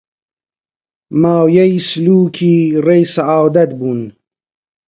مایەی سولووکی ڕێی سەعادەت بوون